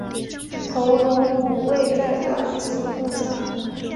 头颅骨位在短颈部上。